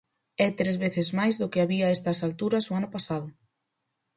É tres veces máis do que había a estas alturas o ano pasado.